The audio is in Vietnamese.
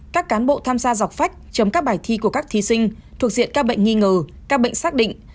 các cán bộ tham gia dọc phách chấm các bài thi của các thí sinh thuộc diện các bệnh nghi ngờ các bệnh xác định